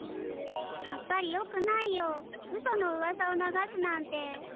やっぱりよくないようそのうわさを流すなんて。